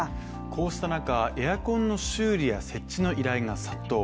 こうした中エアコンの修理や設置の依頼が殺到。